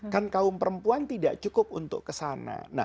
kan kaum perempuan tidak cukup untuk kesana